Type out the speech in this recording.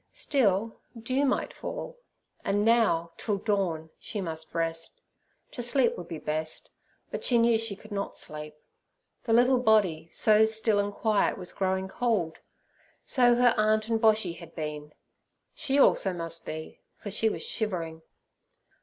Still, dew might fall. And now, till dawn, she must rest—to sleep would be best, but she knew she could not sleep. The little body, so still and quiet, was growing cold. So her aunt and Boshy had been; she also must be, for she was shivering.